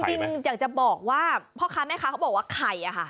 จริงอยากจะบอกว่าพ่อค้าแม่ค้าเขาบอกว่าไข่อะค่ะ